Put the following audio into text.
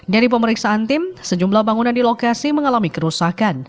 dari pemeriksaan tim sejumlah bangunan di lokasi mengalami kerusakan